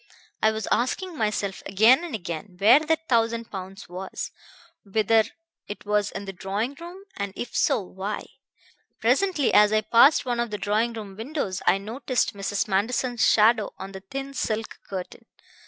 I was asking myself again and again where that thousand pounds was; whether it was in the drawing room; and if so, why. Presently, as I passed one of the drawing room windows, I noticed Mrs. Manderson's shadow on the thin silk curtain.